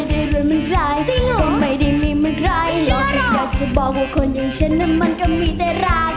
ถ้าบอกโทษคนอย่างฉันมันก็มีแต่รัก